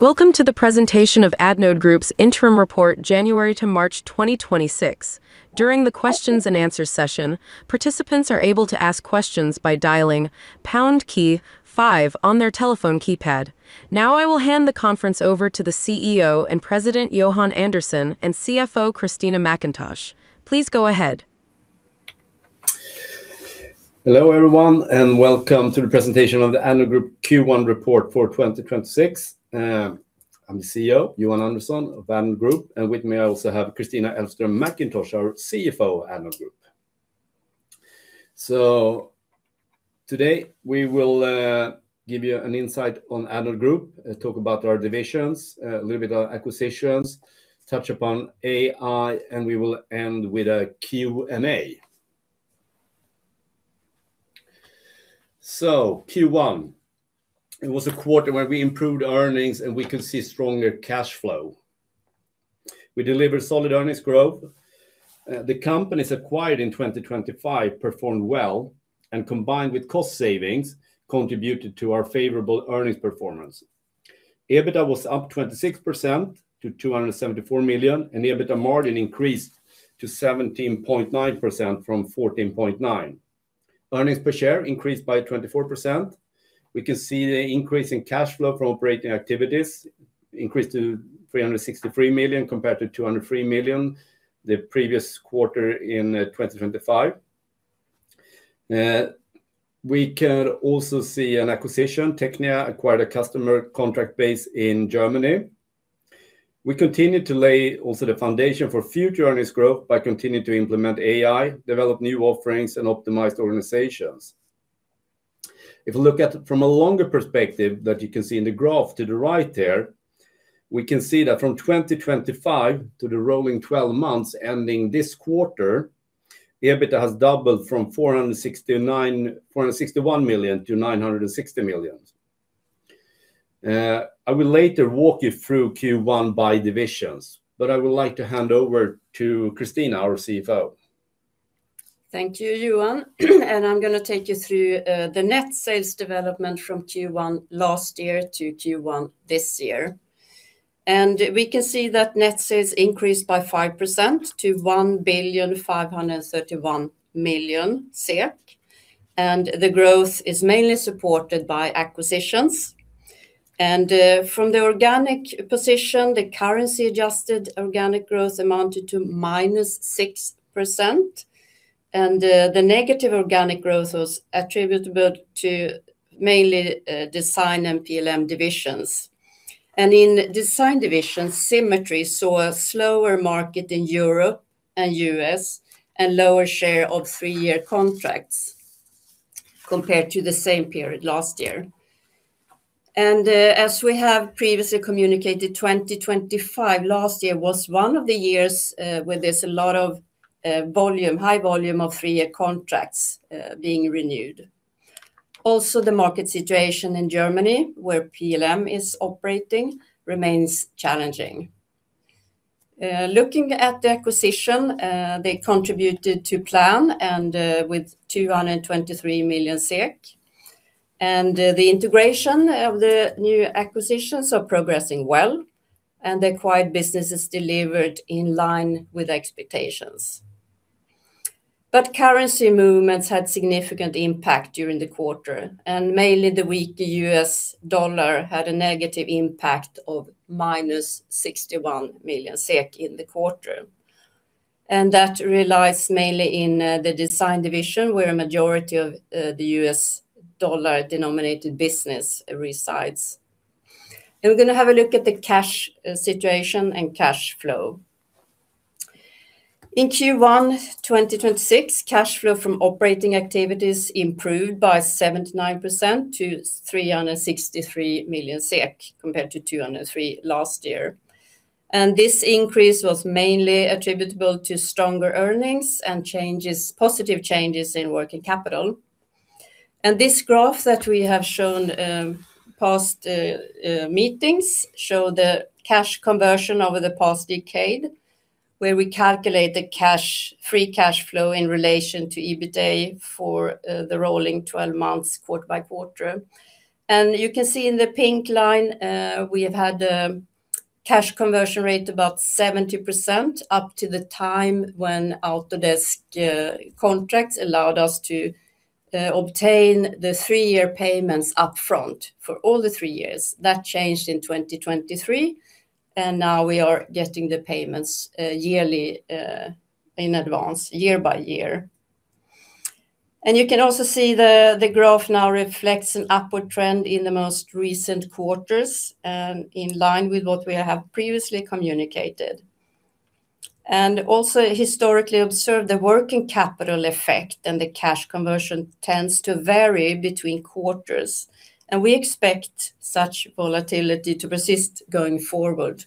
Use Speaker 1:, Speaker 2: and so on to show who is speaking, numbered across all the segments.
Speaker 1: Welcome to the presentation of Addnode Group's interim report January to March 2026. During the Q&A session, participants are able to ask questions by dialing pound key five on their telephone keypad. Now, I will hand the conference over to the CEO and President, Johan Andersson, and CFO, Kristina Elfström Mackintosh. Please go ahead.
Speaker 2: Hello, everyone, and welcome to the presentation of the Addnode Group Q1 report for 2026. I'm the CEO, Johan Andersson of Addnode Group, and with me I also have Kristina Elfström Mackintosh, our CFO, Addnode Group. Today, we will give you an insight on Addnode Group, talk about our divisions, a little bit of acquisitions, touch upon AI, and we will end with a Q&A. Q1, it was a quarter where we improved earnings and we could see stronger cash flow. We delivered solid earnings growth. The companies acquired in 2025 performed well, and combined with cost savings contributed to our favorable earnings performance. EBITA was up 26% to 274 million, and EBITA margin increased to 17.9% from 14.9. Earnings per share increased by 24%. We can see the increase in cash flow from operating activities increased to 363 million compared to 203 million the previous quarter in 2025. We can also see an acquisition, Technia acquired a customer contract base in Germany. We continued to lay also the foundation for future earnings growth by continuing to implement AI, develop new offerings, and optimize organizations. If you look at from a longer perspective that you can see in the graph to the right there, we can see that from 2025 to the rolling twelve months ending this quarter, EBITA has doubled from 461 million-960 million. I will later walk you through Q1 by divisions, but I would like to hand over to Kristina, our CFO.
Speaker 3: Thank you, Johan. I'm gonna take you through the net sales development from Q1 last year to Q1 this year. We can see that net sales increased by 5% to 1,531 million SEK, and the growth is mainly supported by acquisitions. From the organic position, the currency adjusted organic growth amounted to -6%, and the negative organic growth was attributable to mainly design and PLM divisions. In design divisions, Symetri saw a slower market in Europe and U.S., and lower share of three-year contracts compared to the same period last year. As we have previously communicated, 2024 last year was one of the years where there's a lot of volume, high volume of three-year contracts being renewed. The market situation in Germany, where PLM is operating, remains challenging. Looking at the acquisition, they contributed to PLM and with 223 million. The integration of the new acquisitions are progressing well, and the acquired businesses delivered in line with expectations. Currency movements had significant impact during the quarter, and mainly the weaker US dollar had a negative impact of -61 million SEK in the quarter. That lies mainly in the design division, where a majority of the US dollar denominated business resides. We're gonna have a look at the cash situation and cash flow. In Q1 2026, cash flow from operating activities improved by 79% to 363 million SEK compared to 203 million last year. This increase was mainly attributable to stronger earnings and changes, positive changes in working capital. This graph that we have shown past meetings shows the cash conversion over the past decade, where we calculate the cash free cash flow in relation to EBITA for the rolling 12 months quarter by quarter. You can see in the pink line we have had cash conversion rate about 70% up to the time when Autodesk contracts allowed us to obtain the three-year payments upfront for all the three years. That changed in 2023, and now we are getting the payments yearly in advance, year by year. You can also see the graph now reflects an upward trend in the most recent quarters in line with what we have previously communicated. We have also historically observed the working capital effect and the cash conversion tends to vary between quarters, and we expect such volatility to persist going forward.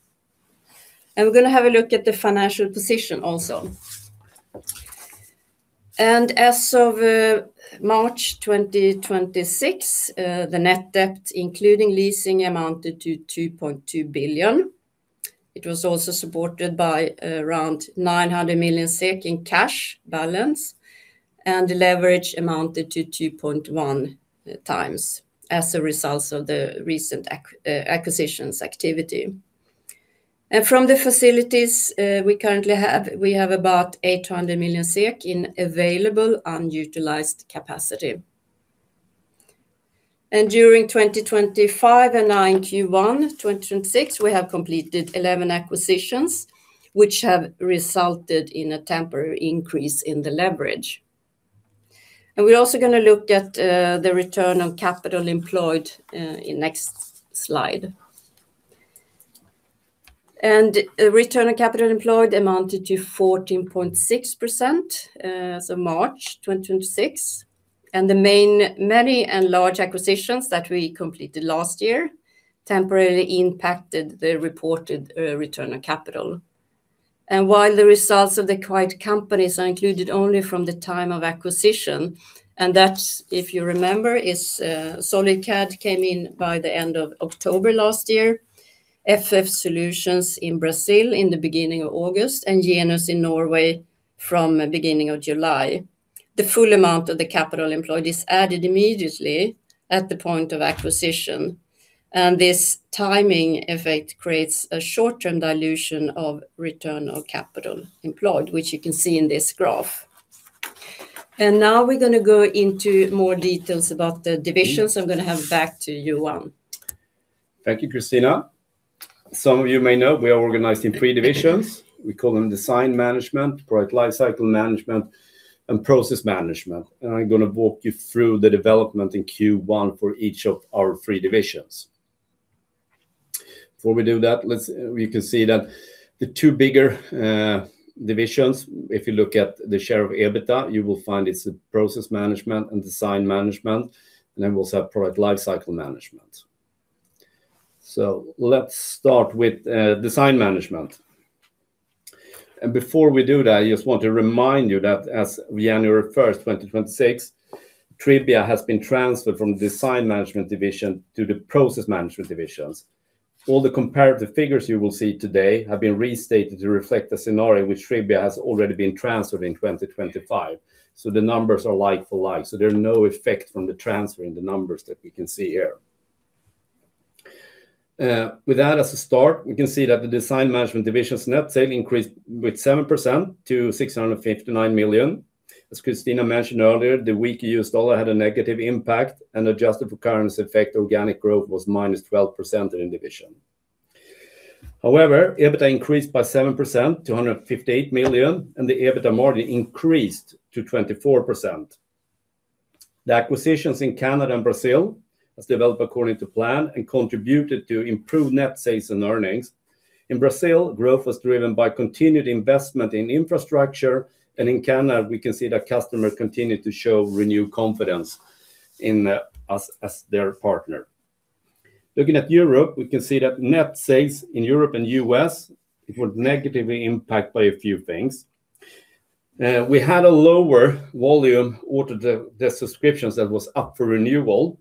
Speaker 3: We're going to have a look at the financial position also. As of March 2026, the net debt, including leasing, amounted to 2.2 billion. It was also supported by around 900 million SEK in cash balance, and the leverage amounted to 2.1 times as a result of the recent acquisition activity. From the facilities, we currently have about 800 million SEK in available unutilized capacity. During 2025 and in Q1 2026, we have completed 11 acquisitions, which have resulted in a temporary increase in the leverage. We're also going to look at the return on capital employed in the next slide. Return on capital employed amounted to 14.6%, as of March 2026, and the main and many large acquisitions that we completed last year temporarily impacted the reported return on capital. While the results of the acquired companies are included only from the time of acquisition, and that's, if you remember, SolidCAD came in by the end of October last year, FF Solutions in Brazil in the beginning of August, and Genus in Norway from beginning of July. The full amount of the capital employed is added immediately at the point of acquisition, and this timing effect creates a short-term dilution of return on capital employed, which you can see in this graph. Now we're gonna go into more details about the divisions. I'm gonna hand back to you, Johan.
Speaker 2: Thank you, Kristina. Some of you may know we are organized in three divisions. We call them Design Management, Product Lifecycle Management, and Process Management. I'm gonna walk you through the development in Q1 for each of our three divisions. Before we do that, we can see that the two bigger divisions, if you look at the share of EBITA, you will find it's the Process Management and Design Management, and then we also have Product Lifecycle Management. Let's start with Design Management. Before we do that, I just want to remind you that as of January 1, 2026, Tribia has been transferred from Design Management division to the Process Management divisions. All the comparative figures you will see today have been restated to reflect the scenario which Tribia has already been transferred in 2025, so the numbers are like for like, so there are no effect from the transfer in the numbers that we can see here. With that as a start, we can see that the Design Management division's net sale increased with 7% to 659 million. As Kristina mentioned earlier, the weak US dollar had a negative impact, and adjusted for currency effect, organic growth was -12% in the division. However, EBITA increased by 7% to 158 million, and the EBITA margin increased to 24%. The acquisitions in Canada and Brazil has developed according to plan and contributed to improved net sales and earnings. In Brazil, growth was driven by continued investment in infrastructure, and in Canada, we can see that customers continued to show renewed confidence in us as their partner. Looking at Europe, we can see that net sales in Europe and U.S. it was negatively impact by a few things. We had a lower volume of the subscriptions that was up for renewal.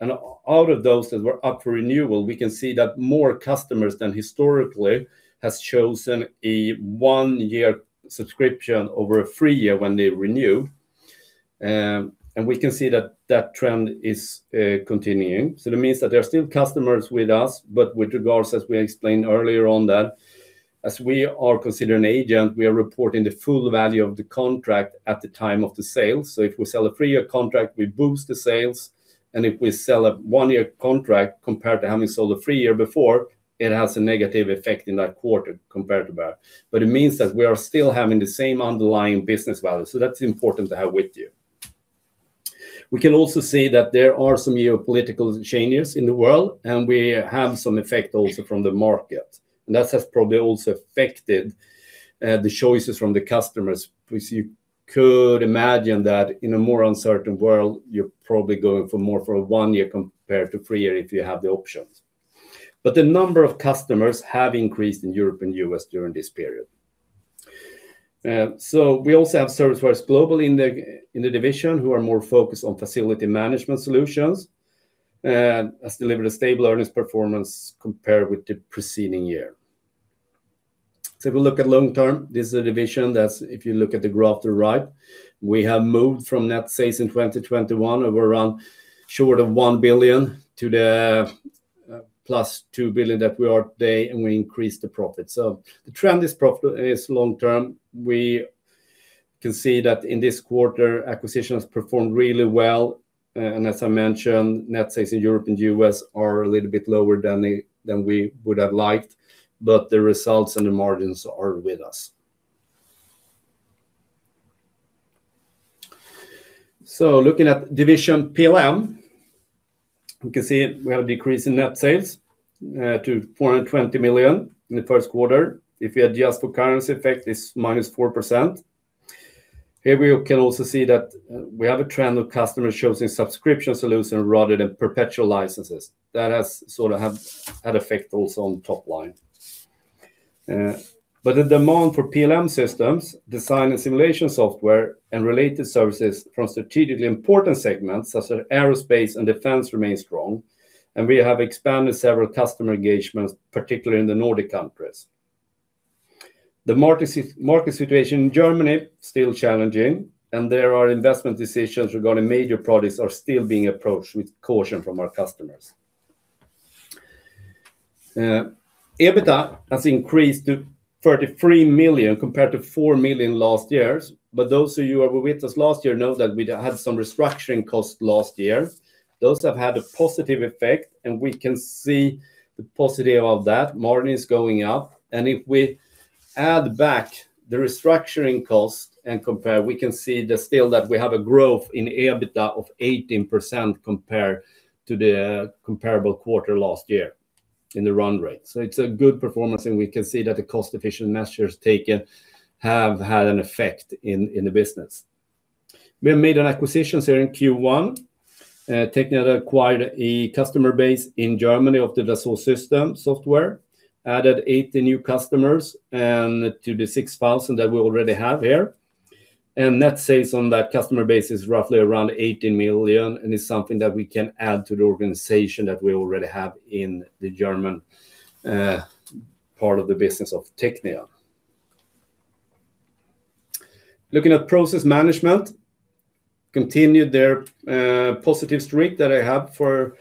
Speaker 2: Out of those that were up for renewal, we can see that more customers than historically has chosen a one-year subscription over a three-year when they renew. We can see that trend is continuing. That means that there are still customers with us, but with regards as we explained earlier on that, as we are considered an agent, we are reporting the full value of the contract at the time of the sale. If we sell a three-year contract, we boost the sales, and if we sell a one-year contract compared to having sold a three-year before, it has a negative effect in that quarter compared to that. But it means that we are still having the same underlying business value, so that's important to have with you. We can also see that there are some geopolitical changes in the world, and we have some effect also from the market. That has probably also affected the choices from the customers, which you could imagine that in a more uncertain world, you're probably going for more for a one-year compared to three-year if you have the options. The number of customers have increased in Europe and U.S. during this period. We also have Service Works Group in the division who are more focused on facility management solutions, has delivered a stable earnings performance compared with the preceding year. If we look at long term, this is a division that's, if you look at the graph to the right, we have moved from net sales in 2021 of around short of 1 billion to the +2 billion that we are today, and we increased the profit. The trend is long term. We can see that in this quarter, acquisitions performed really well. As I mentioned, net sales in Europe and U.S. are a little bit lower than we would have liked, but the results and the margins are with us. Looking at division PLM, we can see we have a decrease in net sales to 420 million in the first quarter. If you adjust for currency effect, it's -4%. Here we can also see that we have a trend of customers choosing subscription solution rather than perpetual licenses. That has sort of had effect also on top line. The demand for PLM systems, design and simulation software, and related services from strategically important segments, such as aerospace and defense, remain strong, and we have expanded several customer engagements, particularly in the Nordic countries. The market situation in Germany is still challenging, and there are investment decisions regarding major products are still being approached with caution from our customers. EBITA has increased to 33 million compared to 4 million last year. Those of you who were with us last year know that we'd had some restructuring costs last year. Those have had a positive effect, and we can see the positive of that. Margin's going up. If we add back the restructuring cost and compare, we can see that still that we have a growth in EBITDA of 18% compared to the comparable quarter last year in the run-rate. It's a good performance, and we can see that the cost-efficient measures taken have had an effect in the business. We have made an acquisition here in Q1. Technia acquired a customer base in Germany of the Dassault Systèmes software, added 80 new customers to the 6,000 that we already have here. Net sales on that customer base is roughly around 18 million and is something that we can add to the organization that we already have in the German part of the business of Technia. Looking at Process Management, continued their positive streak that they have for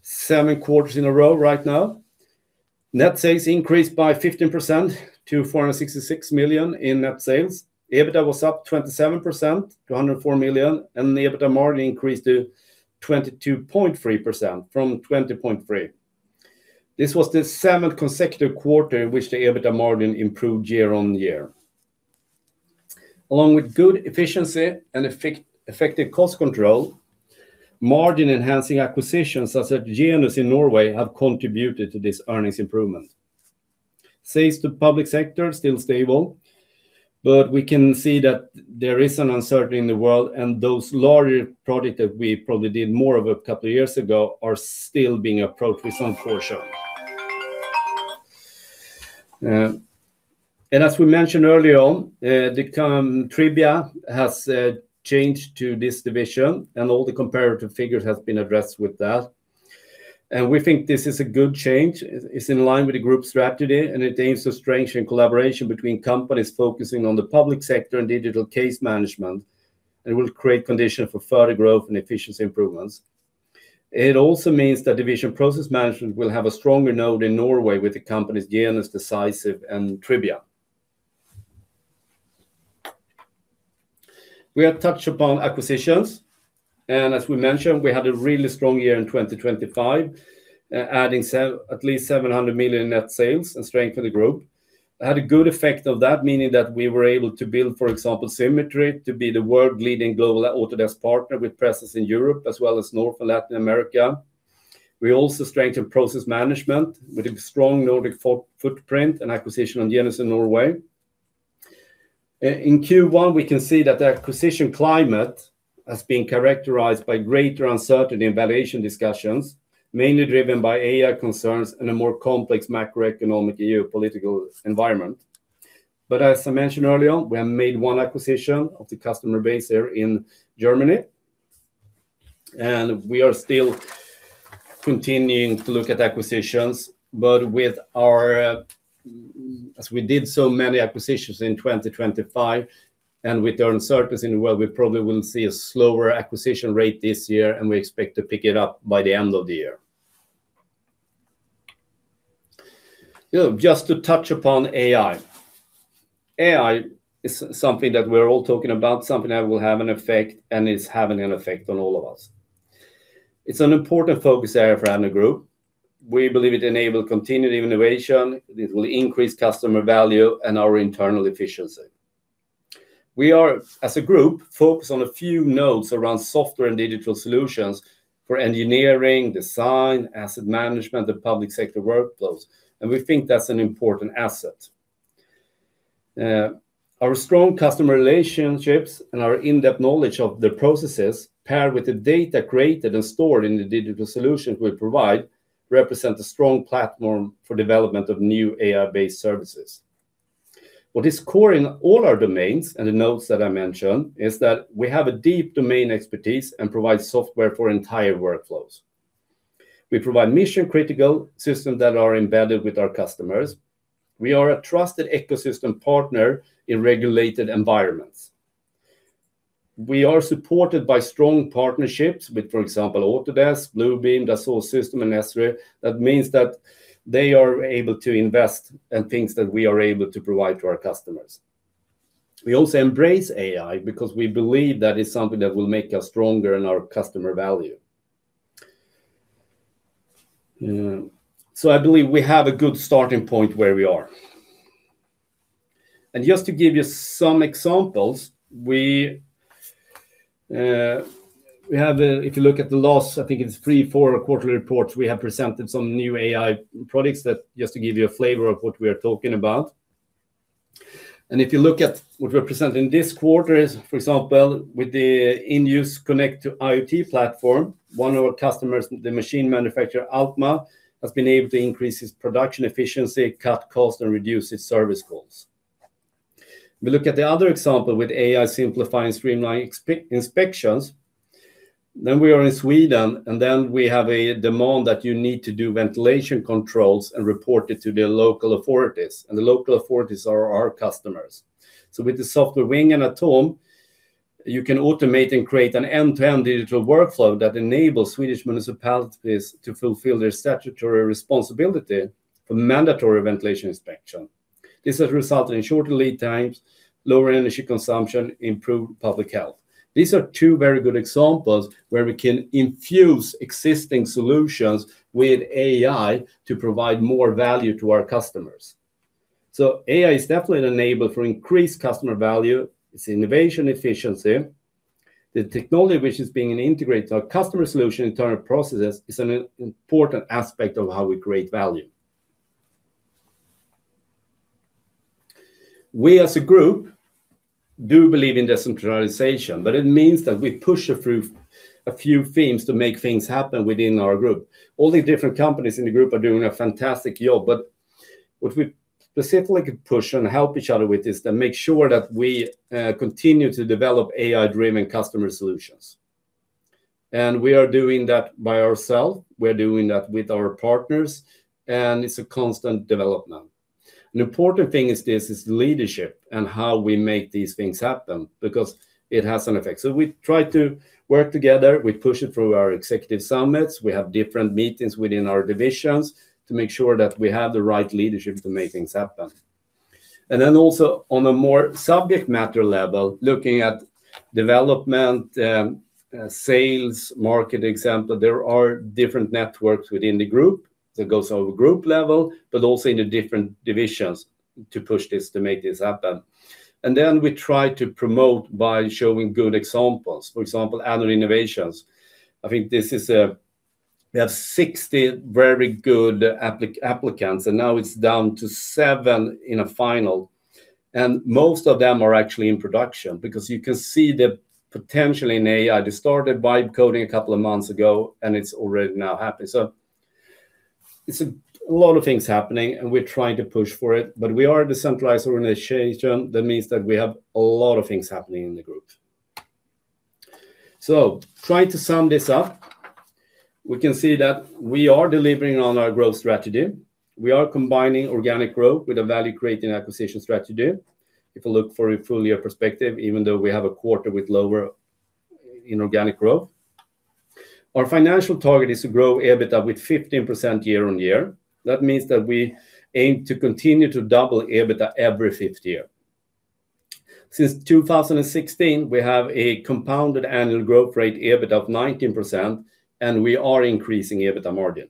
Speaker 2: seven quarters in a row right now. Net sales increased by 15% to 466 million in net sales. EBITDA was up 27% to 104 million, and the EBITDA margin increased to 22.3% from 20.3%. This was the seventh consecutive quarter in which the EBITDA margin improved year-over-year. Along with good efficiency and effective cost control, margin-enhancing acquisitions, such as Genus in Norway, have contributed to this earnings improvement. Sales to public sector, still stable, but we can see that there is an uncertainty in the world, and those larger project that we probably did more of a couple of years ago are still being approached with some caution. As we mentioned earlier on, Tribia has changed to this division, and all the comparative figures have been addressed with that. We think this is a good change. It's in line with the group strategy, and it aims to strengthen collaboration between companies focusing on the public sector and digital case management. It will create conditions for further growth and efficiency improvements. It also means that Process Management division will have a stronger node in Norway with the companies Genus, Decisive and Tribia. We have touched upon acquisitions, and as we mentioned, we had a really strong year in 2025, adding at least 700 million net sales and strength to the group. Had a good effect of that, meaning that we were able to build, for example, Symetri to be the world-leading global Autodesk partner with presence in Europe as well as North and Latin America. We also strengthened Process Management with a strong Nordic footprint and acquisition of Genus in Norway. In Q1, we can see that the acquisition climate has been characterized by greater uncertainty in valuation discussions, mainly driven by AI concerns and a more complex macroeconomic geopolitical environment. As I mentioned earlier on, we have made one acquisition of the customer base here in Germany. We are still continuing to look at acquisitions, but with our, as we did so many acquisitions in 2025, and with the uncertainties in the world, we probably will see a slower acquisition rate this year, and we expect to pick it up by the end of the year. You know, just to touch upon AI. AI is something that we're all talking about, something that will have an effect, and it's having an effect on all of us. It's an important focus area for Addnode Group. We believe it enable continued innovation. It will increase customer value and our internal efficiency. We are, as a group, focused on a few nodes around software and digital solutions for engineering, design, asset management, and public sector workflows, and we think that's an important asset. Our strong customer relationships and our in-depth knowledge of the processes paired with the data created and stored in the digital solutions we provide represent a strong platform for development of new AI-based services. What is core in all our domains and the nodes that I mentioned is that we have a deep domain expertise and provide software for entire workflows. We provide mission-critical systems that are embedded with our customers. We are a trusted ecosystem partner in regulated environments. We are supported by strong partnerships with, for example, Autodesk, Bluebeam, Dassault Systèmes and Esri. That means that they are able to invest in things that we are able to provide to our customers. We also embrace AI because we believe that is something that will make us stronger and our customer value. I believe we have a good starting point where we are. Just to give you some examples, we have if you look at the last, I think it's three, four quarterly reports, we have presented some new AI products that just to give you a flavor of what we are talking about. If you look at what we are presenting this quarter is, for example, with the Induce Connect IoT platform, one of our customers, the machine manufacturer, Alma, has been able to increase its production efficiency, cut costs, and reduce its service calls. We look at the other example with AI simplifying streamlining inspections, then we are in Sweden, and then we have a demand that you need to do ventilation controls and report it to the local authorities, and the local authorities are our customers. With the software wing and Atome, you can automate and create an end-to-end digital workflow that enables Swedish municipalities to fulfill their statutory responsibility for mandatory ventilation inspection. This has resulted in shorter lead times, lower energy consumption, improved public health. These are two very good examples where we can infuse existing solutions with AI to provide more value to our customers. AI is definitely an enabler for increased customer value. It's innovation efficiency. The technology which is being integrated to our customer solution internal processes is an important aspect of how we create value. We as a group do believe in decentralization, but it means that we push through a few themes to make things happen within our group. All the different companies in the group are doing a fantastic job, but what we specifically push and help each other with is to make sure that we continue to develop AI-driven customer solutions. We are doing that by ourselves. We're doing that with our partners, and it's a constant development. An important thing is this is leadership and how we make these things happen because it has an effect. We try to work together. We push it through our executive summits. We have different meetings within our divisions to make sure that we have the right leadership to make things happen. Then also on a more subject matter level, looking at development, sales, market example, there are different networks within the group that goes over group level, but also in the different divisions to push this, to make this happen. We try to promote by showing good examples. For example, Addnode Innovations. I think this is. We have 60 very good applicants, and now it's down to seven in a final. Most of them are actually in production because you can see the potential in AI. They started by coding a couple of months ago, and it's already now happening. It's a lot of things happening, and we're trying to push for it. We are a decentralized organization. That means that we have a lot of things happening in the group. Trying to sum this up, we can see that we are delivering on our growth strategy. We are combining organic growth with a value-creating acquisition strategy. If you look for a full-year perspective, even though we have a quarter with lower inorganic growth. Our financial target is to grow EBITA with 15% year-on-year. That means that we aim to continue to double EBITA every fifth year. Since 2016, we have a compounded annual growth rate EBITA of 19%, and we are increasing EBITA margin.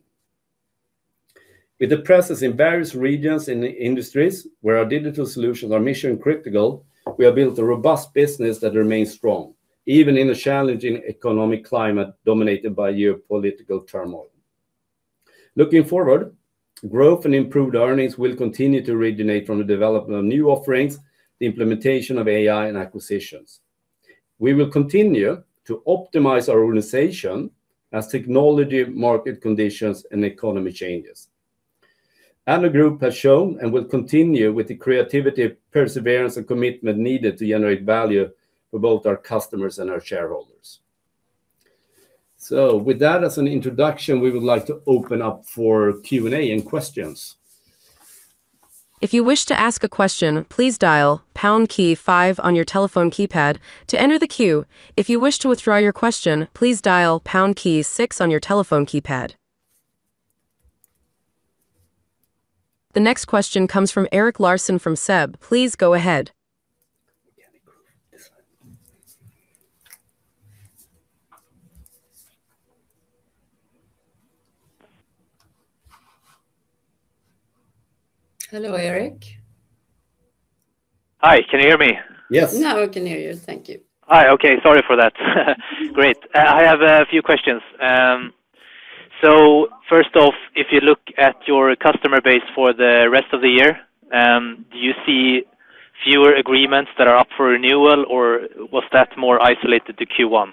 Speaker 2: With the presence in various regions in the industries where our digital solutions are mission-critical, we have built a robust business that remains strong, even in a challenging economic climate dominated by geopolitical turmoil. Looking forward, growth and improved earnings will continue to originate from the development of new offerings, the implementation of AI and acquisitions. We will continue to optimize our organization as technology, market conditions, and economy changes. Addnode Group has shown and will continue with the creativity, perseverance, and commitment needed to generate value for both our customers and our shareholders. With that as an introduction, we would like to open up for Q&A and questions.
Speaker 1: The next question comes from Erik Larsson from SEB. Please go ahead.
Speaker 3: Hello, Erik.
Speaker 4: Hi. Can you hear me?
Speaker 2: Yes.
Speaker 3: Now we can hear you. Thank you.
Speaker 4: Hi. Okay. Sorry for that. Great. I have a few questions. First off, if you look at your customer base for the rest of the year, do you see fewer agreements that are up for renewal, or was that more isolated to Q1?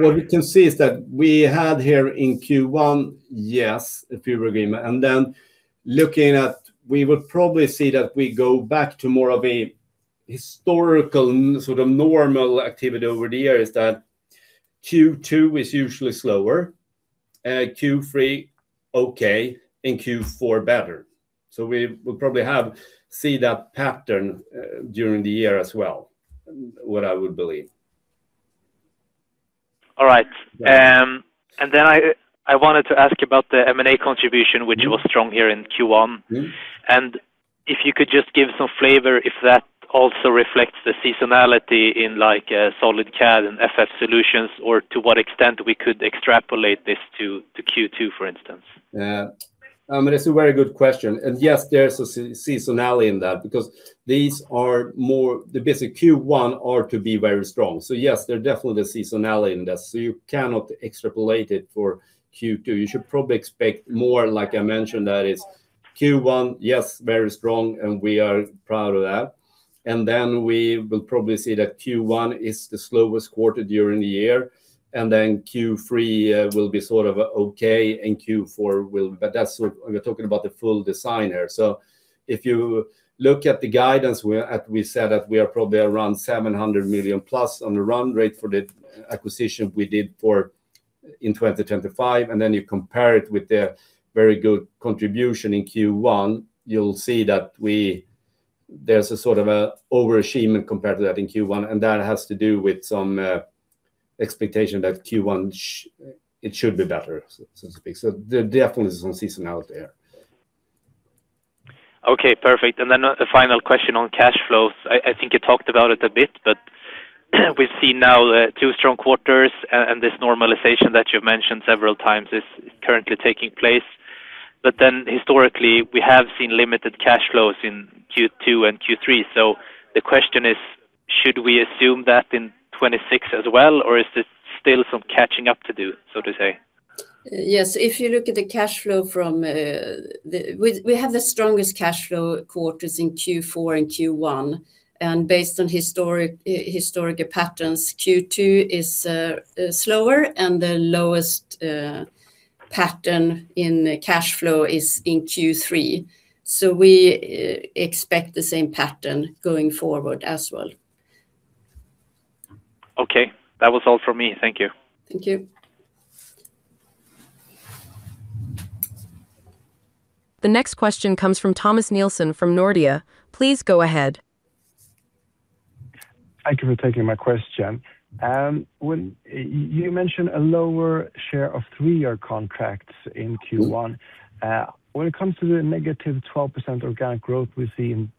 Speaker 2: What we can see is that we had here in Q1, yes, a few agreements. We would probably see that we go back to more of a historical, sort of normal activity over the years, that Q2 is usually slower, Q3 okay, and Q4 better. We probably have seen that pattern during the year as well, what I would believe.
Speaker 4: All right. I wanted to ask about the M&A contribution-
Speaker 2: Mm-hmm
Speaker 4: which was strong here in Q1.
Speaker 2: Mm-hmm.
Speaker 4: If you could just give some flavor if that also reflects the seasonality in, like, SolidCAD and FF Solutions or to what extent we could extrapolate this to Q2, for instance.
Speaker 2: Yeah. It's a very good question. Yes, there's seasonality in that. Basically, Q1 is to be very strong. Yes, there is definitely seasonality in that, so you cannot extrapolate it for Q2. You should probably expect more, like I mentioned, that it's Q1, yes, very strong, and we are proud of that. Then we will probably see that Q2 is the slowest quarter during the year, and then Q3 will be sort of okay, and Q4 will. But that's sort of it. We're talking about the full year here. If you look at the guidance we're at, we said that we are probably around +700 million on the run-rate for the acquisition we did in 2010-2015, and then you compare it with the very good contribution in Q1, you'll see that there's a sort of a overachievement compared to that in Q1, and that has to do with some expectation that Q1 should be better, so to speak. There definitely is some seasonality there.
Speaker 4: Okay, perfect. A final question on cash flows. I think you talked about it a bit, but we see now two strong quarters and this normalization that you've mentioned several times is currently taking place. Historically, we have seen limited cash flows in Q2 and Q3. The question is: should we assume that in 2026 as well, or is there still some catching up to do, so to speak?
Speaker 3: Yes. If you look at the cash flow, we have the strongest cash flow quarters in Q4 and Q1, and based on historical patterns, Q2 is slower and the lowest pattern in cash flow is in Q3. We expect the same pattern going forward as well.
Speaker 4: Okay. That was all from me. Thank you.
Speaker 3: Thank you.
Speaker 1: The next question comes from Thomas Nielsen from Nordea. Please go ahead.
Speaker 5: Thank you for taking my question. When you mentioned a lower share of three-year contracts in Q1.
Speaker 2: Mm.
Speaker 5: When it comes to the -12% organic growth we see in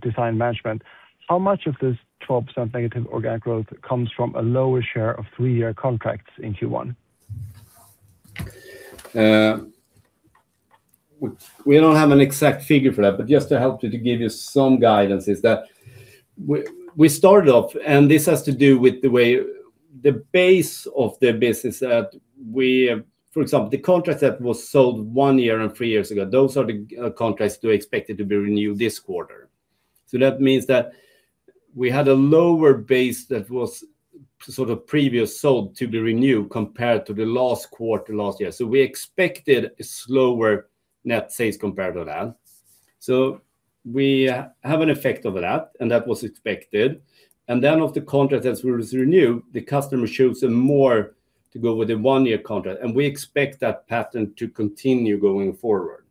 Speaker 5: Design Management, how much of this 12% negative organic growth comes from a lower share of three-year contracts in Q1?
Speaker 2: We don't have an exact figure for that, but just to help you to give you some guidance is that we started off, and this has to do with the way the base of the business that we. For example, the contract that was sold one year and three years ago, those are the g-contracts that we expected to be renewed this quarter. That means that we had a lower base that was sort of previous sold to be renewed compared to the last quarter last year. We expected a slower net sales compared to that. We have an effect of that, and that was expected. Then of the contract that was renewed, the customer shows a move to go with a one-year contract, and we expect that pattern to continue going forward.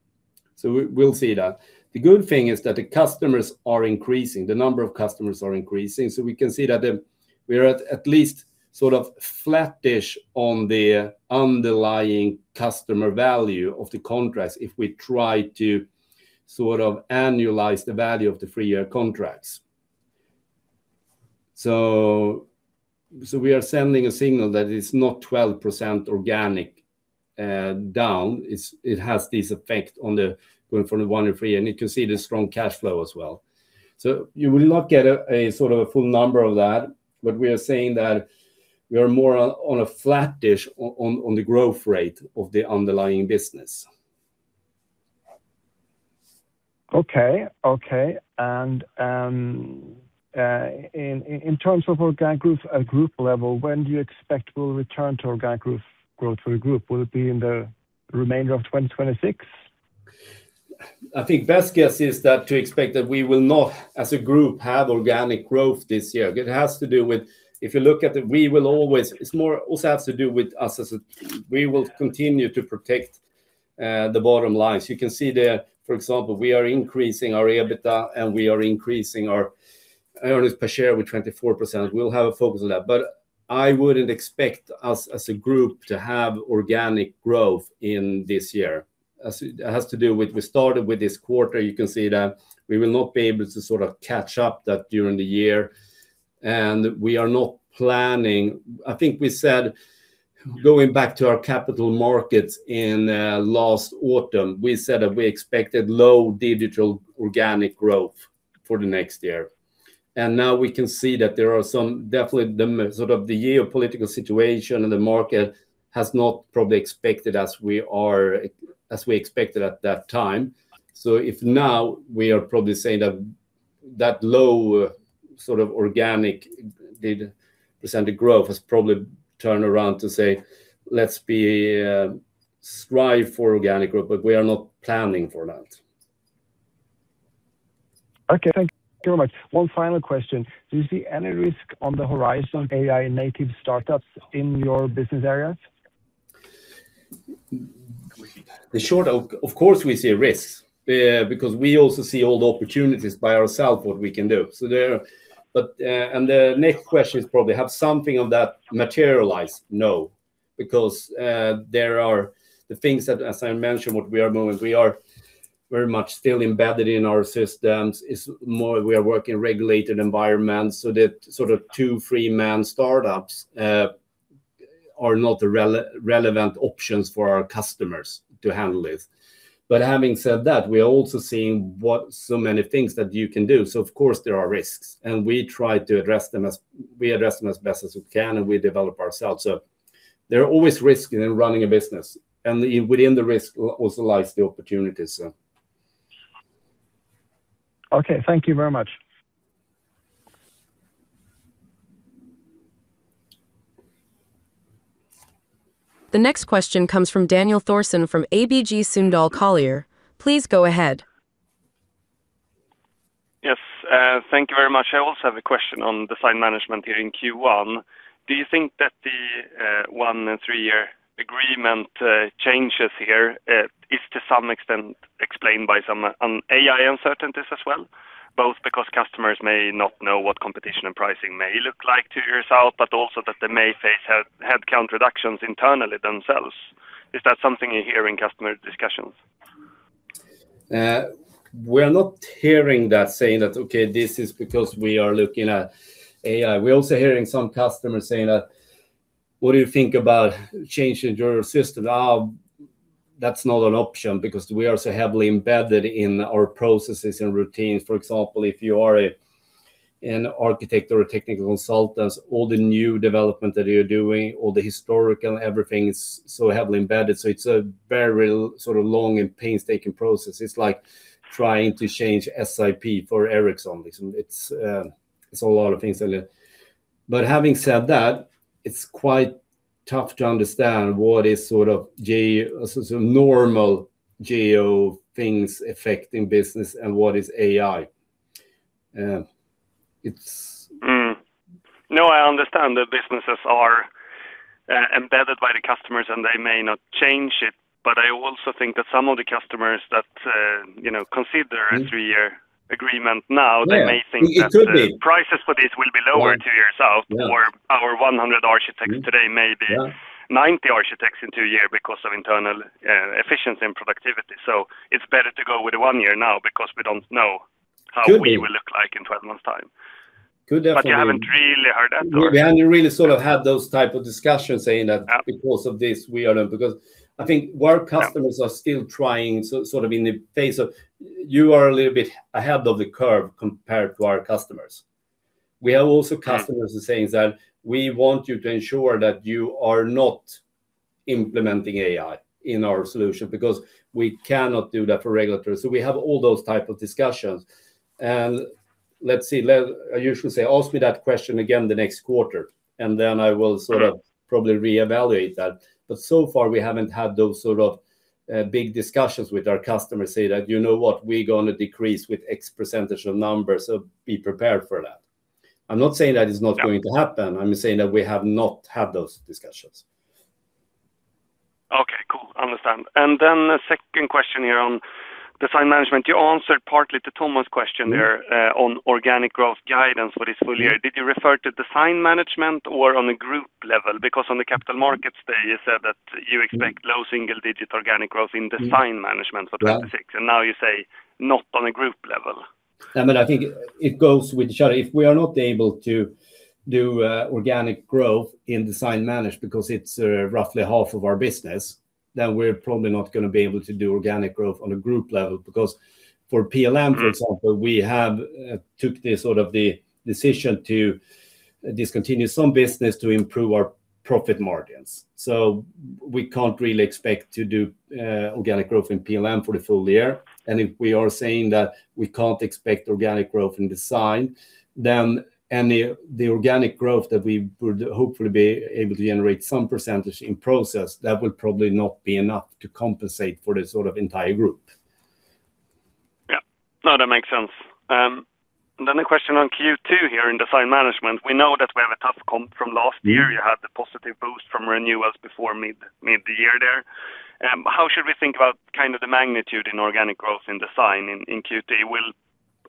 Speaker 2: We'll see that. The good thing is that the customers are increasing, the number of customers are increasing, so we can see that we're at least sort of flattish on the underlying customer value of the contracts if we try to sort of annualize the value of the three-year contracts. We are sending a signal that it's not 12% organic down. It has this effect on the going from the one to three, and you can see the strong cash flow as well. You will not get a sort of full number of that, but we are saying that we are more on a flattish on the growth rate of the underlying business.
Speaker 5: In terms of organic growth at group level, when do you expect we'll return to organic growth for the group? Will it be in the remainder of 2026?
Speaker 2: I think best guess is that to expect that we will not as a group have organic growth this year. It has to do with also has to do with us as a. We will continue to protect the bottom lines. You can see that, for example, we are increasing our EBITA, and we are increasing our earnings per share with 24%. We'll have a focus on that. I wouldn't expect us as a group to have organic growth this year. It has to do with we started with this quarter. You can see that we will not be able to sort of catch up that during the year, and we are not planning. I think we said, going back to our capital markets in last autumn, we said that we expected low digital organic growth for the next year. Now we can see that there are definitely the sort of the geopolitical situation and the market has not probably expected as we expected at that time. If now we are probably saying that that low sort of organic percentage of growth has probably turned around to say, "Let's be, strive for organic growth," we are not planning for that.
Speaker 5: Okay. Thank you very much. One final question. Do you see any risk on the horizon, AI-native startups in your business areas?
Speaker 2: Of course, we see risks because we also see all the opportunities by ourselves what we can do. The next question is probably: has something of that materialized? No, because there are the things that, as I mentioned, what we are moving, we are very much still embedded in our systems. It's more we are working in regulated environments, so that sort of two, three-man startups are not the relevant options for our customers to handle it. Having said that, we are also seeing so many things that you can do. Of course, there are risks, and we try to address them. We address them as best as we can, and we develop ourselves. There are always risks in running a business, and within the risk also lies the opportunities.
Speaker 5: Okay. Thank you very much.
Speaker 1: The next question comes from Daniel Thorsson from ABG Sundal Collier. Please go ahead.
Speaker 6: Yes, thank you very much. I also have a question on Design Management here in Q1. Do you think that the one- and three-year agreement changes here is to some extent explained by some AI uncertainties as well? Both because customers may not know what competition and pricing may look like two years out, but also that they may face headcount reductions internally themselves. Is that something you hear in customer discussions?
Speaker 2: We're not hearing them saying that, "Okay, this is because we are looking at AI." We're also hearing some customers saying that, "What do you think about changing your system?" That's not an option because we are so heavily embedded in our processes and routines. For example, if you are an architect or a technical consultant, all the new development that you're doing, all the historical, everything is so heavily embedded, so it's a very sort of long and painstaking process. It's like trying to change SAP for Ericsson. It's a lot of things. Having said that, it's quite tough to understand what is sort of normal geo things affecting business and what is AI.
Speaker 6: No, I understand that businesses are embedded by the customers, and they may not change it. I also think that some of the customers that, you know, consider-
Speaker 2: Mm.
Speaker 6: a three-year agreement now.
Speaker 2: Yeah.
Speaker 6: They may think that the-
Speaker 2: It could be.
Speaker 6: Prices for this will be lower two years out.
Speaker 2: Yeah.
Speaker 6: Where our 100 architects today-
Speaker 2: Mm-hmm
Speaker 6: -may be-
Speaker 2: Yeah
Speaker 6: 90 architects in two years because of internal efficiency and productivity. It's better to go with 1 year now because we don't know how.
Speaker 2: Could be.
Speaker 6: We will look like in 12 months' time.
Speaker 2: Could definitely be.
Speaker 6: You haven't really heard that?
Speaker 2: We haven't really sort of had those type of discussions saying that.
Speaker 6: Ah.
Speaker 2: Because of this, we are done. I think our customers are still trying sort of in the face of... You are a little bit ahead of the curve compared to our customers. We have also customers saying that, "We want you to ensure that you are not implementing AI in our solution because we cannot do that for regulatory." We have all those type of discussions. Let's see. I usually say, "Ask me that question again the next quarter, and then I will sort of probably reevaluate that." So far, we haven't had those sort of big discussions with our customers say that, "You know what? We're gonna decrease with X percentage of numbers, so be prepared for that." I'm not saying that is not going to happen.
Speaker 6: Yeah.
Speaker 2: I'm saying that we have not had those discussions.
Speaker 6: Okay, cool. Understand. The second question here on Design Management. You answered partly to Thomas' question there on organic growth guidance for this full year. Did you refer to Design Management or on a group level? Because on the Capital Markets Day, you said that you expect low single-digit organic growth in Design Management for 2026.
Speaker 2: Yeah.
Speaker 6: Now you say not on a group level.
Speaker 2: I mean, I think it goes with each other. If we are not able to do organic growth in Design Management because it's roughly half of our business, then we're probably not gonna be able to do organic growth on a group level. Because for PLM, for example, we have took the sort of decision to discontinue some business to improve our profit margins. We can't really expect to do organic growth in PLM for the full year. If we are saying that we can't expect organic growth in Design Management, then, and the organic growth that we would hopefully be able to generate some percentage in Process Management, that would probably not be enough to compensate for the sort of entire group.
Speaker 6: Yeah. No, that makes sense. The question on Q2 here in Design Management. We know that we have a tough comp from last year.
Speaker 2: Mm-hmm.
Speaker 6: You had the positive boost from renewals before mid-year there. How should we think about kind of the magnitude in organic growth in design in Q3 will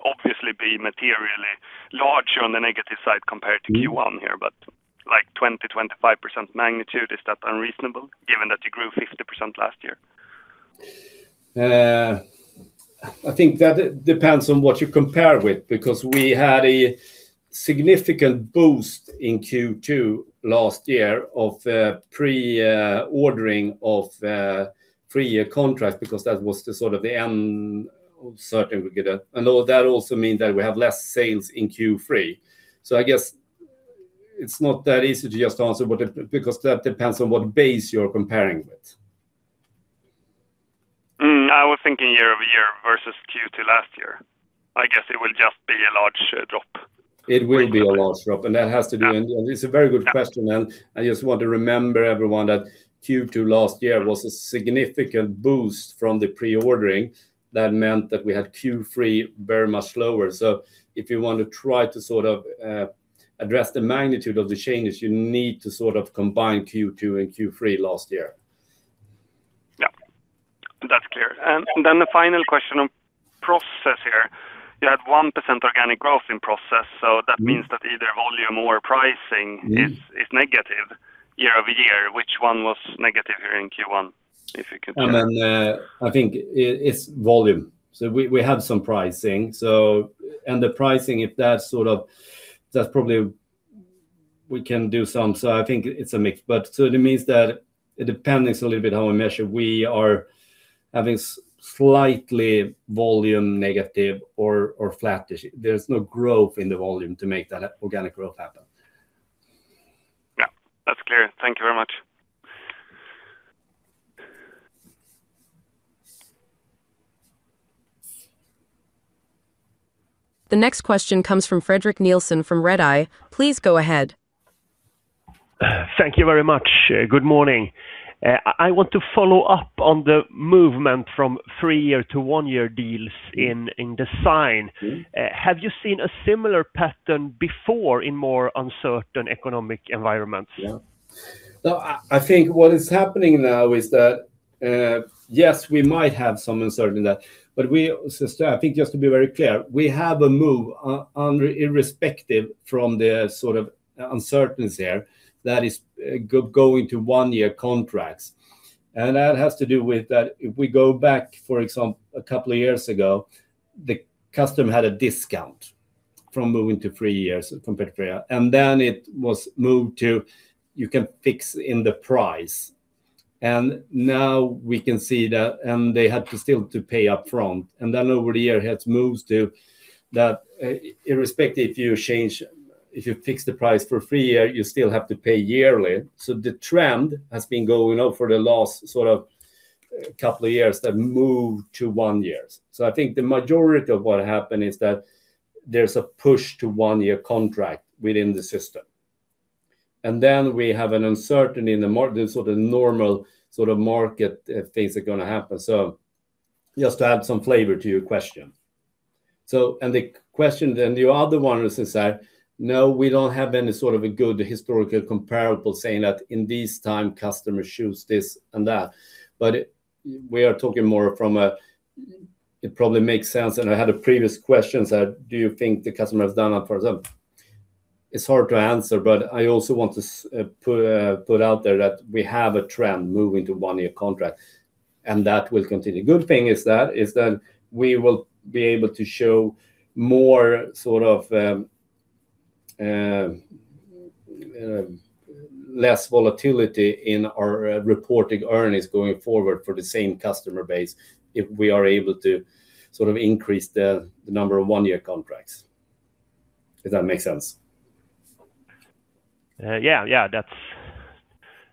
Speaker 6: obviously be materially larger on the negative side compared to Q1 here-
Speaker 2: Mm.
Speaker 6: like, 20%-25% magnitude. Is that unreasonable given that you grew 50% last year?
Speaker 2: I think that depends on what you compare with because we had a significant boost in Q2 last year of pre-ordering of three-year contract because that was sort of the end of certain. We get it. That also means that we have less sales in Q3. I guess it's not that easy to just answer, but because that depends on what base you're comparing with.
Speaker 6: I was thinking year-over-year versus Q2 last year. I guess it will just be a large drop.
Speaker 2: It will be a large drop.
Speaker 6: Yeah.
Speaker 2: It's a very good question, and I just want to remind everyone that Q2 last year was a significant boost from the pre-ordering. That meant that we had Q3 very much lower. If you want to try to sort of address the magnitude of the changes, you need to sort of combine Q2 and Q3 last year.
Speaker 6: Yeah. That's clear. The final question on Process here. You had 1% organic growth in Process. That means that either volume or pricing.
Speaker 2: Mm.
Speaker 6: This is negative year-over-year. Which one was negative here in Q1, if you could share?
Speaker 2: I think it's volume. We have some pricing. The pricing, if that's sort of, that's probably we can do some. I think it's a mix. It means that it depends a little bit how we measure. We are having slightly volume negative or flat. There's no growth in the volume to make that organic growth happen.
Speaker 6: Yeah, that's clear. Thank you very much.
Speaker 1: The next question comes from Fredrik Nilsson from Redeye. Please go ahead.
Speaker 7: Thank you very much. Good morning. I want to follow up on the movement from three-year to one-year deals in design.
Speaker 2: Mm-hmm.
Speaker 7: Have you seen a similar pattern before in more uncertain economic environments?
Speaker 2: Yeah. No, I think what is happening now is that, yes, we might have some uncertainty that. I think just to be very clear, we have a move under, irrespective of the sort of uncertainty there, that is going to one-year contracts. That has to do with that if we go back, for example, a couple of years ago, the customer had a discount from moving to three years from three to three-year. Then it was moved to, you can fix the price. Now we can see that, and they still had to pay upfront, and then over the year has moved to that, irrespective if you change, if you fix the price for three-year, you still have to pay yearly. The trend has been going on for the last sort of couple of years that moved to one years. I think the majority of what happened is that there's a push to one-year contract within the system. Then we have an uncertainty in the market, the sort of normal sort of market things are gonna happen. Just to add some flavor to your question. The question then, the other one is that, no, we don't have any sort of a good historical comparable saying that in this time customer choose this and that. We are talking more from a, it probably makes sense, and I had a previous question, said, "Do you think the customer has done that?" For example. It's hard to answer, but I also want to put out there that we have a trend moving to one-year contract, and that will continue. Good thing is that we will be able to show more sort of less volatility in our reporting earnings going forward for the same customer base if we are able to sort of increase the number of one-year contracts. Does that make sense?
Speaker 7: Yeah.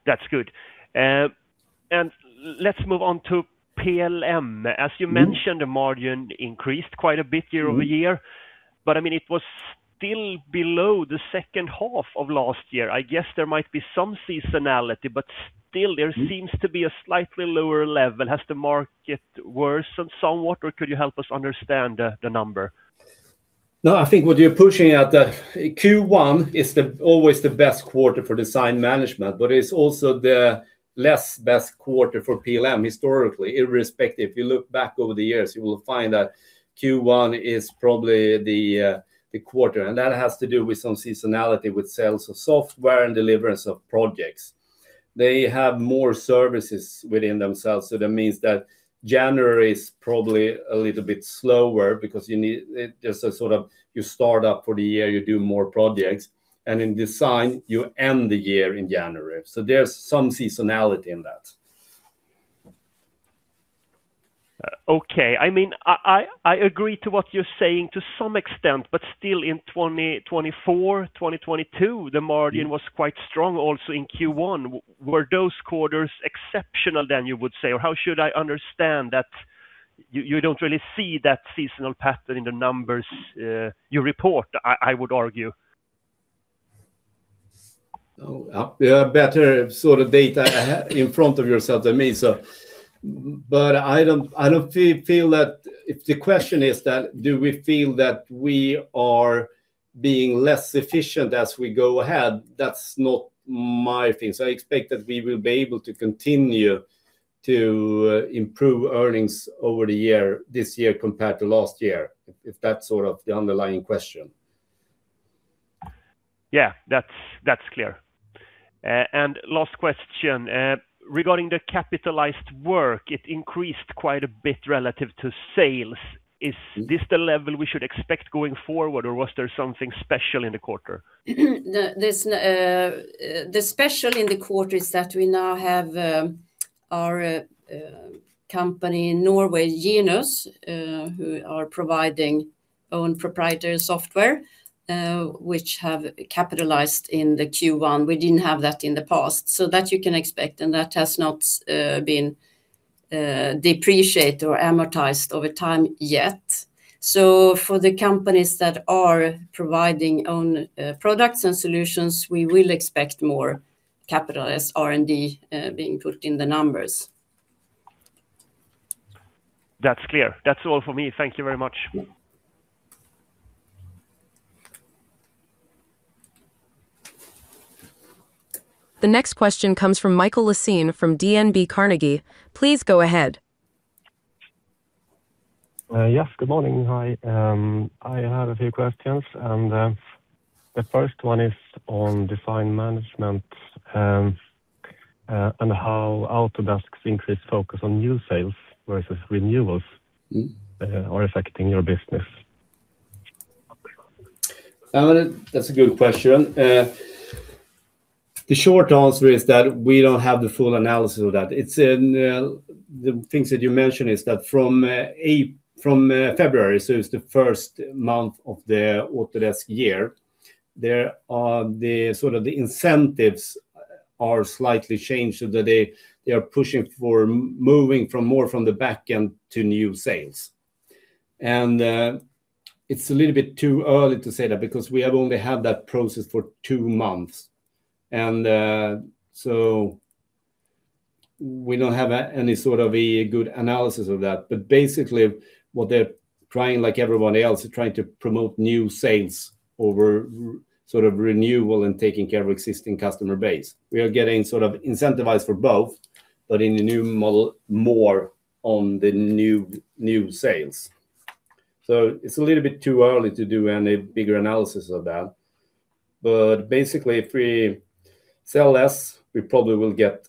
Speaker 7: That's good. Let's move on to PLM. As you mentioned.
Speaker 2: Mm-hmm
Speaker 7: The margin increased quite a bit year-over-year.
Speaker 2: Mm-hmm.
Speaker 7: I mean, it was still below the second half of last year. I guess there might be some seasonality, but still.
Speaker 2: Mm-hmm
Speaker 7: There seems to be a slightly lower level. Has the market worsened somewhat, or could you help us understand the number?
Speaker 2: No, I think what you're pushing at, Q1 is always the best quarter for Design Management, but it's also the least best quarter for PLM historically, irrespective. If you look back over the years, you will find that Q1 is probably the quarter, and that has to do with some seasonality with sales of software and delivery of projects. They have more services within themselves, so that means that January is probably a little bit slower because it's just a sort of you start up for the year, you do more projects, and in design, you end the year in January. There's some seasonality in that.
Speaker 7: Okay. I mean, I agree to what you're saying to some extent, but still in 2024, 2022, the margin was quite strong also in Q1. Were those quarters exceptional than you would say? Or how should I understand that you don't really see that seasonal pattern in the numbers you report? I would argue?
Speaker 2: You have better sort of data in front of yourself than me, so. I don't feel that if the question is that, do we feel that we are being less efficient as we go ahead? That's not my thing. I expect that we will be able to continue to improve earnings over the year, this year compared to last year, if that's sort of the underlying question.
Speaker 7: Yeah. That's clear. Last question. Regarding the capitalized work, it increased quite a bit relative to sales. Is this the level we should expect going forward, or was there something special in the quarter?
Speaker 3: The special in the quarter is that we now have our company in Norway, Genus, who are providing own proprietary software, which we have capitalized in Q1. We didn't have that in the past. That you can expect, and that has not been depreciated or amortized over time yet. For the companies that are providing own products and solutions, we will expect more capitalized R&D being put in the numbers.
Speaker 7: That's clear. That's all for me. Thank you very much.
Speaker 1: The next question comes from Mikael Lassin from DNB Carnegie. Please go ahead.
Speaker 8: Yes. Good morning. Hi. I have a few questions, and the first one is on Design Management, and how Autodesk's increased focus on new sales versus renewals.
Speaker 2: Mm-hmm
Speaker 8: are affecting your business.
Speaker 2: That's a good question. The short answer is that we don't have the full analysis of that. It's in the things that you mentioned is that from February, so it's the first month of the Autodesk year, there are sort of the incentives are slightly changed so that they are pushing for moving from more from the backend to new sales. It's a little bit too early to say that because we have only had that process for two months. We don't have any sort of a good analysis of that. Basically what they're trying, like everyone else, they're trying to promote new sales over sort of renewal and taking care of existing customer base. We are getting sort of incentivized for both, but in the new model, more on the new sales. It's a little bit too early to do any bigger analysis of that. Basically if we sell less, we probably will get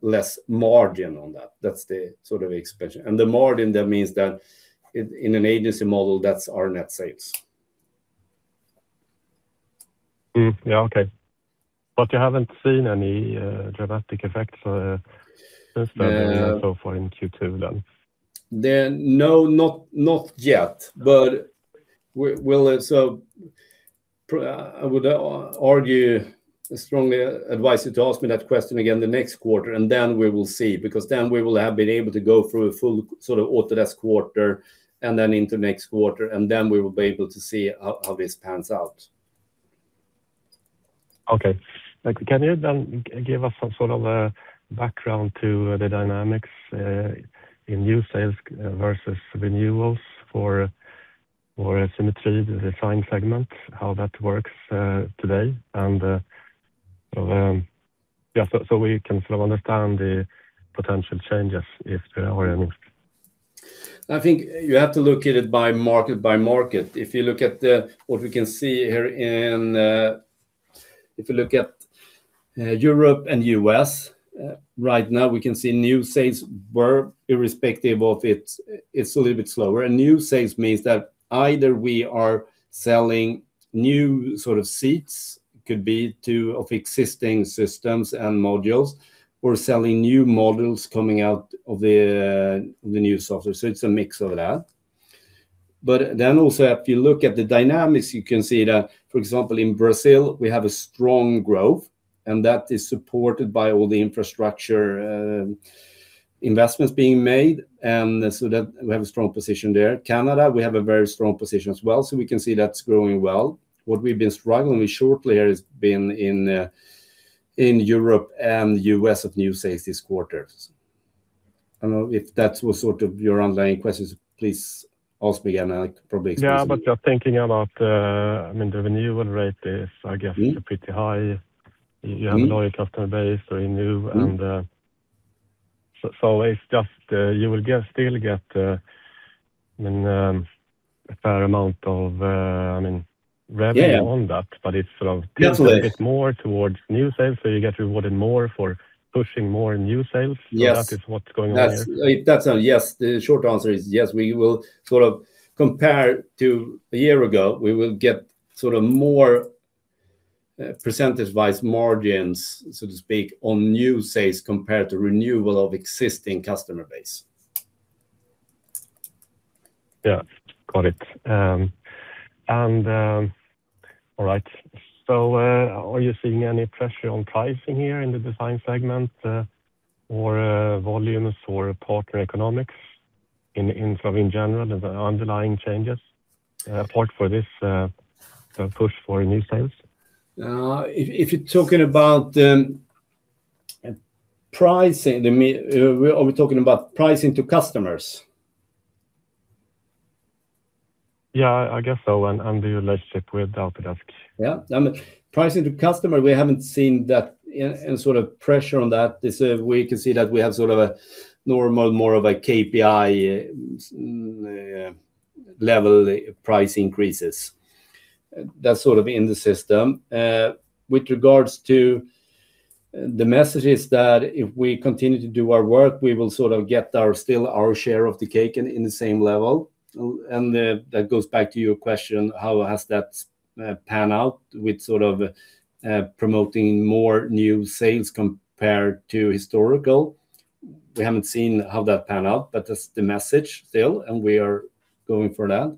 Speaker 2: less margin on that. That's the sort of expansion. The margin, that means that in an agency model, that's our net sales.
Speaker 8: Yeah. Okay. You haven't seen any dramatic effects for since then.
Speaker 2: Uh-
Speaker 8: So far in Q2 then.
Speaker 2: No, not yet. I would argue strongly advise you to ask me that question again the next quarter, and then we will see. Because then we will have been able to go through a full sort of Autodesk quarter and then into next quarter, and then we will be able to see how this pans out.
Speaker 8: Okay. Like, can you then give us some sort of a background to the dynamics in new sales versus renewals for Symetri, the design segment, how that works today? Just so we can sort of understand the potential changes if there are any.
Speaker 2: I think you have to look at it by market by market. If you look at what we can see here in Europe and U.S. right now, we can see new sales were irrespective of it's a little bit slower. New sales means that either we are selling new sort of seats, could be to of existing systems and modules, or selling new models coming out of the new software. It's a mix of that. If you look at the dynamics, you can see that, for example, in Brazil, we have a strong growth, and that is supported by all the infrastructure investments being made, and so that we have a strong position there. Canada, we have a very strong position as well, so we can see that's growing well. What we've been struggling with shortly here has been in Europe and U.S. of new sales this quarter. I don't know if that was sort of your underlying questions, please ask me again. I probably
Speaker 8: Yeah, you're thinking about, I mean, the renewal rate is, I guess.
Speaker 2: Mm
Speaker 8: Pretty high.
Speaker 2: Mm.
Speaker 8: You have a loyal customer base.
Speaker 2: Mm
Speaker 8: It's just you will still get, I mean, a fair amount of, I mean, revenue.
Speaker 2: Yeah
Speaker 8: on that, but it's sort of.
Speaker 2: Yes
Speaker 8: ...tilted a bit more toward new sales, so you get rewarded more for pushing more new sales.
Speaker 2: Yes.
Speaker 8: That is what's going on there?
Speaker 2: That's yes. The short answer is yes, we will sort of compare to a year ago, we will get sort of more percentage-wise margins, so to speak, on new sales compared to renewal of existing customer base.
Speaker 8: Yeah. Got it. Are you seeing any pressure on pricing here in the design segment, or volumes for partner economics in general, the underlying changes apart from this sort of push for new sales?
Speaker 2: If you're talking about pricing, I mean, are we talking about pricing to customers?
Speaker 8: Yeah, I guess so, and the relationship with Autodesk.
Speaker 2: Yeah. I mean, pricing to customer, we haven't seen that any sort of pressure on that. This, we can see that we have sort of a normal, more of a KPI level price increases. That's sort of in the system. With regards to the messages that if we continue to do our work, we will sort of get our share still of the cake in the same level. That goes back to your question, how has that pan out with sort of promoting more new sales compared to historical? We haven't seen how that pan out, but that's the message still and we are going for that.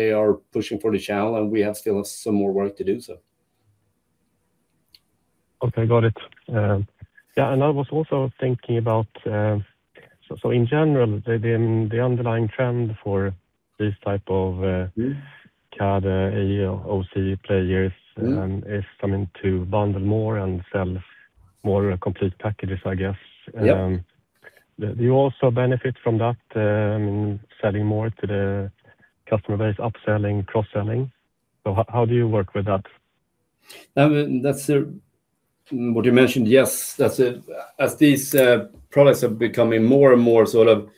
Speaker 2: They are pushing for the channel and we have still some more work to do so.
Speaker 8: Okay. Got it. Yeah, and I was also thinking about, so in general, the underlying trend for this type of.
Speaker 2: Mm
Speaker 8: CAD, AEC, OC players.
Speaker 2: Mm
Speaker 8: is coming to bundle more and sell more complete packages, I guess.
Speaker 2: Yeah.
Speaker 8: Do you also benefit from that, selling more to the customer base, upselling, cross-selling? How do you work with that?
Speaker 2: What you mentioned, yes. That's it. As these products are becoming more and more sort of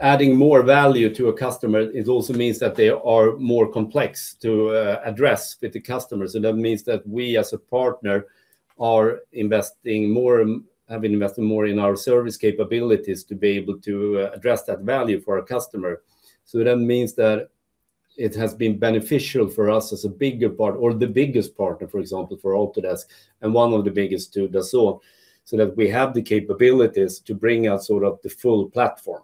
Speaker 2: adding more value to a customer, it also means that they are more complex to address with the customer. That means that we, as a partner, are investing more and have been investing more in our service capabilities to be able to address that value for a customer. That means that it has been beneficial for us as a bigger part or the biggest partner, for example, for Autodesk and one of the biggest for Dassault, so that we have the capabilities to bring out sort of the full platform.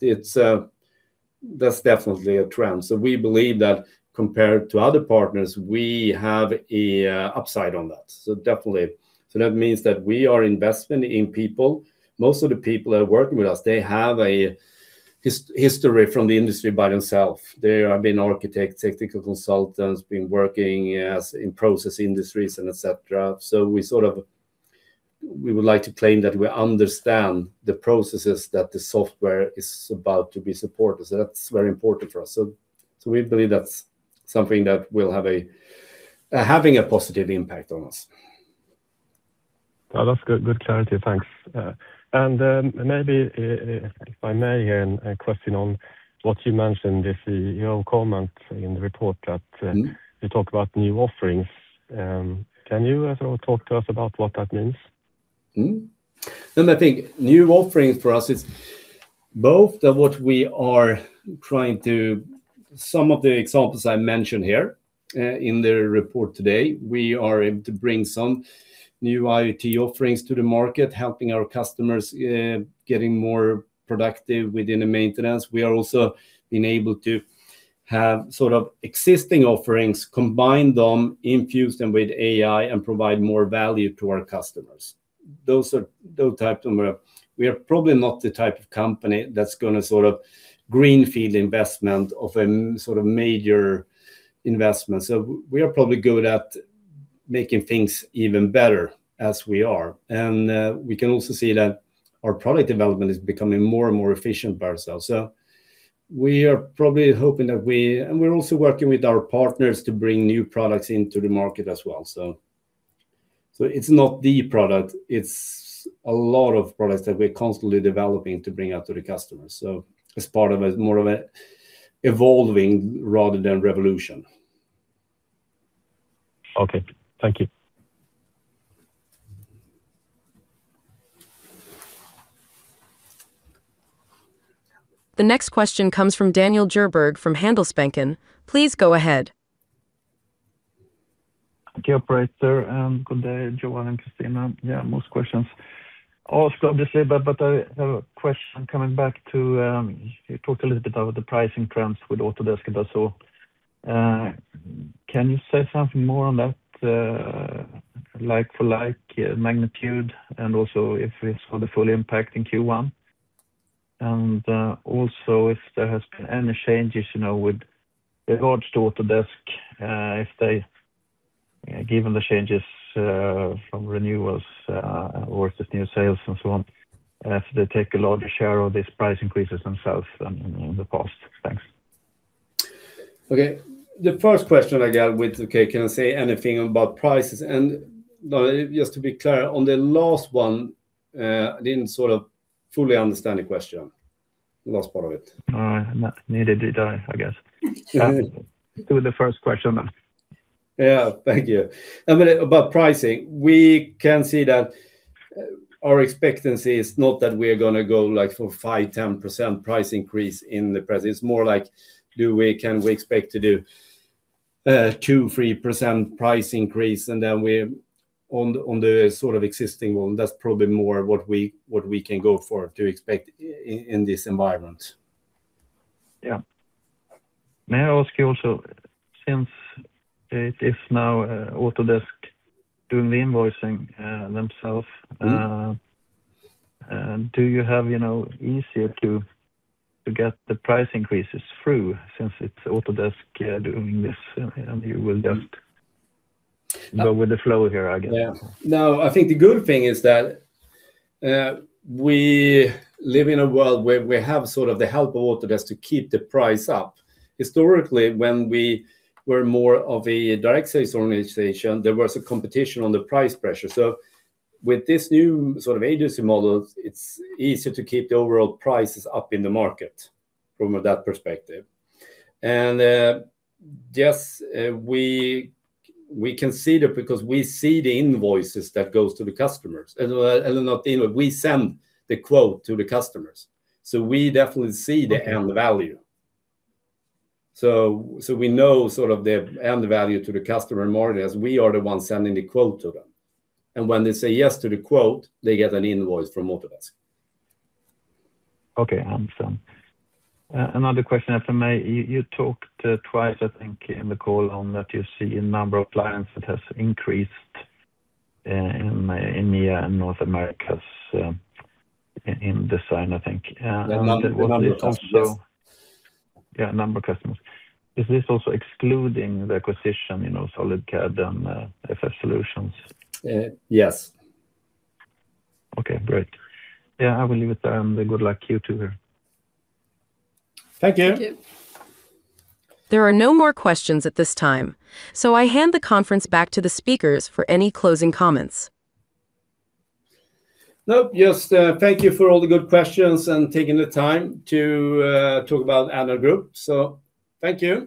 Speaker 2: It's definitely a trend. We believe that compared to other partners, we have an upside on that. Definitely. That means that we are investing in people. Most of the people that are working with us, they have a history from the industry by themselves. They have been architects, technical consultants, been working in process industries and et cetera. We sort of would like to claim that we understand the processes that the software is about to be supporting. That's very important for us. We believe that's something that will have a positive impact on us.
Speaker 8: That's good clarity. Thanks. Maybe, if I may, a question on what you mentioned this in your comment in the report that-
Speaker 2: Mm-hmm.
Speaker 8: You talk about new offerings. Can you sort of talk to us about what that means?
Speaker 2: I think new offerings for us is both of what we are trying to. Some of the examples I mentioned here in the report today, we are able to bring some new IoT offerings to the market, helping our customers getting more productive within the maintenance. We are also been able to have sort of existing offerings, combine them, infuse them with AI, and provide more value to our customers. Those types of things are. We are probably not the type of company that's gonna sort of greenfield investment of a sort of major investment. We are probably good at making things even better as we are. We can also see that our product development is becoming more and more efficient by ourselves. We're also working with our partners to bring new products into the market as well, so. It's not the product, it's a lot of products that we're constantly developing to bring out to the customers. It's part of more of an evolving rather than a revolution.
Speaker 8: Okay. Thank you.
Speaker 1: The next question comes from Daniel Djurberg from Handelsbanken. Please go ahead.
Speaker 9: Okay, operator, and good day, Johan and Kristina. Yeah, most questions asked, obviously. I have a question coming back to, you talked a little bit about the pricing trends with Autodesk and that so. Can you say something more on that, like for like magnitude and also if it's for the full impact in Q1? Also if there has been any changes, you know, with regards to Autodesk, if they, given the changes, from renewals, or just new sales and so on, if they take a larger share of this price increases themselves than in the past. Thanks.
Speaker 2: Okay. The first question I get with, okay, can I say anything about prices? No, just to be clear, on the last one, I didn't sort of fully understand the question, the last part of it.
Speaker 9: All right. Neither did I guess. Do the first question then.
Speaker 2: Yeah. Thank you. I mean, about pricing, we can see that our expectancy is not that we're gonna go like for 5%, 10% price increase in the price. It's more like, do we, can we expect to do 2%, 3% price increase and then we're on the sort of existing one. That's probably more what we can go for to expect in this environment.
Speaker 9: Yeah. May I ask you also, since it is now Autodesk doing the invoicing themselves-
Speaker 2: Mm-hmm.
Speaker 9: Do you have it easier, you know, to get the price increases through since it's Autodesk doing this, and you will just go with the flow here, I guess?
Speaker 2: Yeah. No, I think the good thing is that we live in a world where we have sort of the help of Autodesk to keep the price up. Historically, when we were more of a direct sales organization, there was a competition on the price pressure. With this new sort of agency model, it's easier to keep the overall prices up in the market from that perspective. Yes, we can see that because we see the invoices that goes to the customers. Not the invoice, we send the quote to the customers. We definitely see the end value. We know sort of the end value to the customer and margin as we are the ones sending the quote to them. When they say yes to the quote, they get an invoice from Autodesk.
Speaker 9: Okay. Understand. Another question, if I may. You talked twice, I think, in the call on that you see a number of clients that has increased in India and North America in design, I think.
Speaker 2: The number of customers.
Speaker 9: Yeah, number of customers. Is this also excluding the acquisition, you know, SolidCAD and FF Solutions?
Speaker 2: Yes.
Speaker 9: Okay, great. Yeah, I will leave it there, and good luck to you two here.
Speaker 2: Thank you.
Speaker 3: Thank you.
Speaker 1: There are no more questions at this time, so I hand the conference back to the speakers for any closing comments.
Speaker 2: No, just thank you for all the good questions and taking the time to talk about Addnode Group. Thank you.